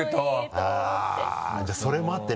あぁじゃあそれもあってね。